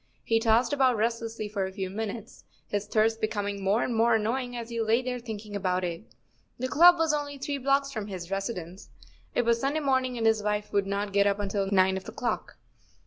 He tossed about restlessly for a few minutes, his thirst becom¬ ing more and more annoying as he lay there thinking about it. The club was only three blocks from his [ 45 ] residence. It was Sunday morning, and his wife would not get up until nine of the clock.